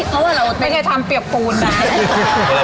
เพราะว่าเราไม่ได้ทำเปรียบภูมิได้